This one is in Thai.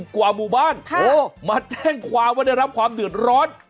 กว่าหมู่บ้านมาแจ้งความว่าได้รับความเดือดร้อน